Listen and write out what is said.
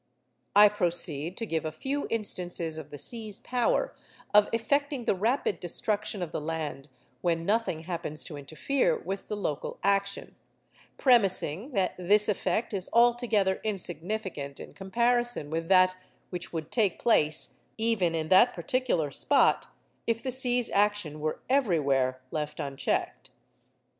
I proceed to give a few instances of the sea's power of effecting the rapid destruction of the land when nothing happens to interfere with the local action—premising, that this effect is altogether insignificant in comparison with that which would take place, even in that particular spot, if the sea's action were everywhere left unchecked.